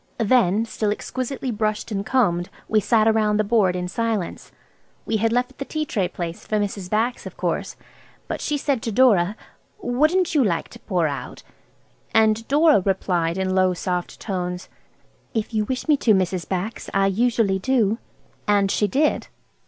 Then, still exquisitely brushed and combed, we sat round the board–in silence. We had left the tea tray place for Mrs. Bax, of course. But she said to Dora– "Wouldn't you like to pour out?" And Dora replied in low, soft tones, "If you wish me to, Mrs. Bax. I usually do." And she did.